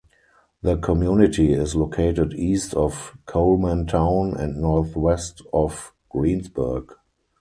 The community is located east of Coleman Town and northwest of Greensburg.